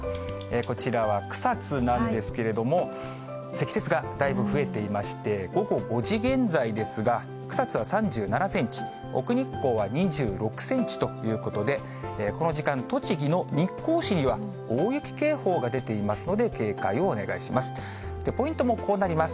こちらは草津なんですけれども、積雪がだいぶ増えていまして、午後５時現在ですが、草津は３７センチ、奥日光は２６センチということで、この時間、栃木の日光市には大雪警報が出ていますので、警戒をお願いします。